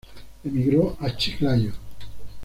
Emigró a Chiclayo.